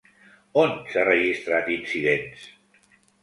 On s'ha registrat incidents?